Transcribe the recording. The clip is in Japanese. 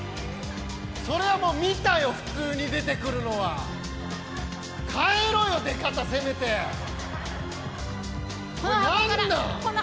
それはもう見たよ普通に出てくるのは変えろよ出方せめてこれ何なん？